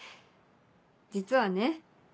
実はね